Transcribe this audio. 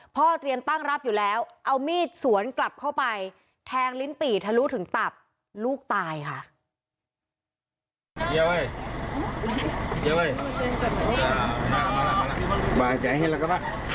เตรียมตั้งรับอยู่แล้วเอามีดสวนกลับเข้าไปแทงลิ้นปี่ทะลุถึงตับลูกตายค่ะ